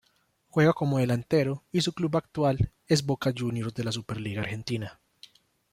Juega como delantero y su club actual es Boca Juniors de la Superliga Argentina.